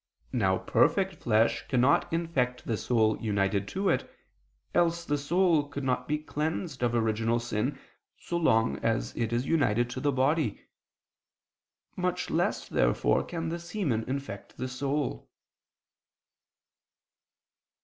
Now perfect flesh cannot infect the soul united to it, else the soul could not be cleansed of original sin, so long as it is united to the body. Much less, therefore, can the semen infect the soul.